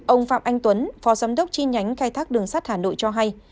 ông phạm anh tuấn phó giám đốc chi nhánh khai thác đường sắt hà nội cho hay